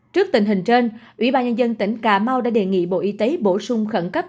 trước tình hình trên ủy ban nhân dân tỉnh cà mau đã đề nghị bộ y tế bổ sung khẩn cấp